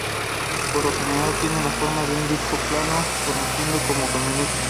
Por lo general, tiene la forma de un disco plano conocido como camioneta.